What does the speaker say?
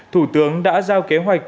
thủ tướng đã giao kế hoạch